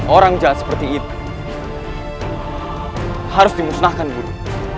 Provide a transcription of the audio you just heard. orang jahat seperti itu harus dimusnahkan dulu